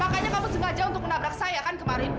makanya kamu sengaja untuk menabrak saya kan kemarin